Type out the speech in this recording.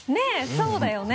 そうだよね